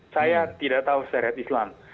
saya tidak tahu syariat islam